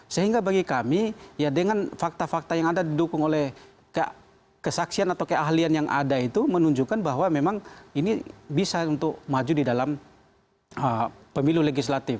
sehingga bagi kami ya dengan fakta fakta yang ada didukung oleh kesaksian atau keahlian yang ada itu menunjukkan bahwa memang ini bisa untuk maju di dalam pemilu legislatif